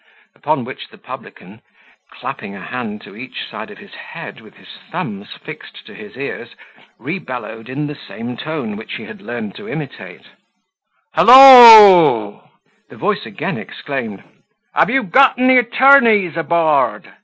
Upon which the publican, clapping a hand to each side of his head with his thumbs fixed to his ears, rebellowed in the same tone, which he had learned to imitate, "Hilloah." The voice again exclaimed, "Have you got any attorneys aboard?"